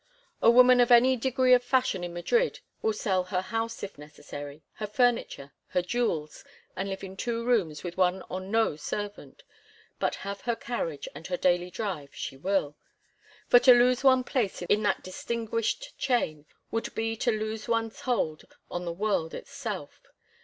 A woman of any degree of fashion in Madrid will sell her house if necessary, her furniture, her jewels, and live in two rooms with one or no servant, but have her carriage and her daily drive she will; for to lose one's place in that distinguished chain would be to lose one's hold on the world itself.